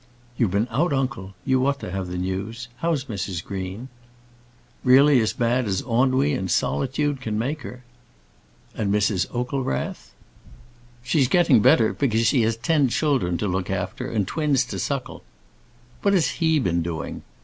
"You've been out, uncle; you ought to have the news. How's Mrs Green?" "Really as bad as ennui and solitude can make her." "And Mrs Oaklerath?" "She's getting better, because she has ten children to look after, and twins to suckle. What has he been doing?"